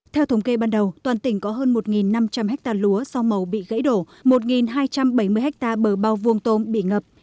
theo thống kê ban đầu toàn tỉnh có hơn một năm trăm linh hectare lúa sao màu bị gãy đổ một hai trăm bảy mươi ha bờ bao vuông tôm bị ngập